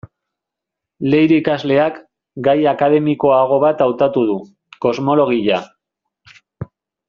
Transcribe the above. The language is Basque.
Leire ikasleak, gai akademikoago bat hautatu du: kosmologia.